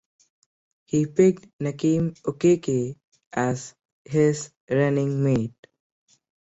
He picked Nkem Okeke as his running mate.